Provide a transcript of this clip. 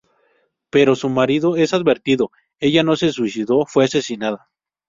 Pero su marido es advertido: ella no se suicidó, fue asesinada.